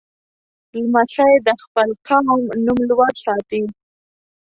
لمسی د خپل قوم نوم لوړ ساتي.